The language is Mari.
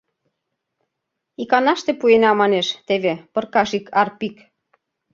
Иканаште пуэна манеш теве пыркашик Арпик...